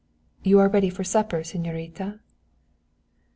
"You are ready for supper, señorita?"